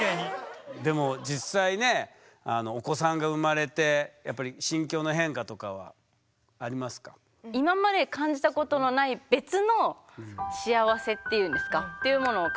でも実際ねお子さんが生まれてやっぱり心境の変化とかはありますか？っていうものを感じていて。